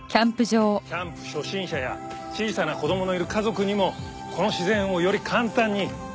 キャンプ初心者や小さな子供のいる家族にもこの自然をより簡単に。